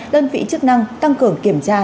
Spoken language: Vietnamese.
đơn vị chức năng tăng cường kiểm tra